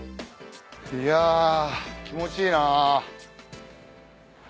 いや気持ちいいな。